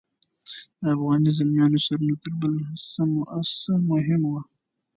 د افغاني زلمیانو سرونه تر بل څه مهم وو.